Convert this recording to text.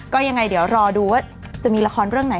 ก็ยังไงเดี๋ยวรอดูว่าจะมีละครเรื่องไหน